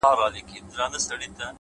د زاړه کور دیوالونه د وخت نښې ساتي,